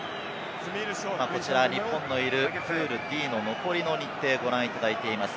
日本のいるプールＤの残りの日程をご覧いただいています。